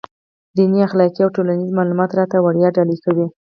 دیني، اخلاقي او ټولنیز معلومات راته وړيا ډالۍ کوي.